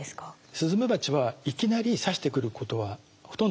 スズメバチはいきなり刺してくることはほとんどありません。